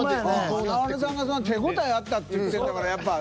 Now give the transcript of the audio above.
華丸さんが手応えあったって言ってんだからやっぱ。